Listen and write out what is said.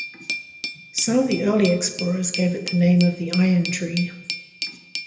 Some of the early explorers gave it the name of the iron tree.